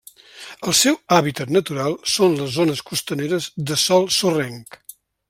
El seu hàbitat natural són les zones costaneres de sòl sorrenc.